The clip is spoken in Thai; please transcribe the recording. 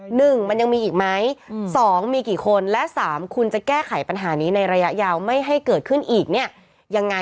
หนึ่งมันยังมีอีกไหมอืมสองมีกี่คนและสามคุณจะแก้ไขปัญหานี้ในระยะยาวไม่ให้เกิดขึ้นอีกเนี่ยยังไง